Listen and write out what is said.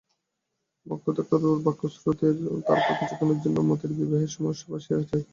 মোক্ষদার রূঢ় বাক্যস্রোতে তারপর কিছুক্ষণের জন্য মতির বিবাহের সমস্যা ভাসিয়া যায়।